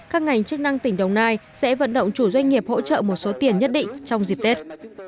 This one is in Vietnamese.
các ngành chức năng tỉnh đồng nai sẽ vận động chủ doanh nghiệp hỗ trợ một số tiền nhất định trong dịp tết